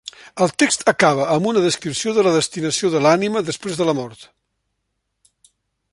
El text acaba amb una descripció de la destinació de l'ànima després de la mort.